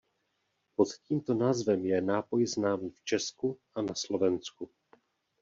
Pod tímto názvem je nápoj známý v Česku a na Slovensku.